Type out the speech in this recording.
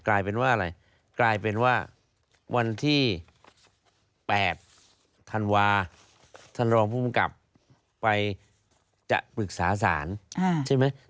กลายเป็นว่าอะไรกลายเป็นว่าวันที่๘ธันวาท่านรองภูมิกับไปจะปรึกษาศาลใช่ไหม